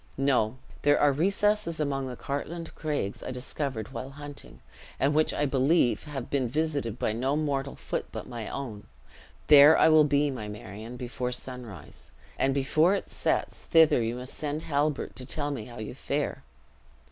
No! there are recesses among the Cartlane Craigs, I discovered while hunting, and which I believe have been visited by no mortal foot but my own. There I will be, my Marion, before sunrise; and before it sets, thither you must send Halbert, to tell me how you fare.